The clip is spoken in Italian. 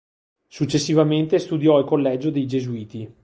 Successivamente studiò al Collegio dei Gesuiti.